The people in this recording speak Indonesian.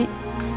ibu elsa bangun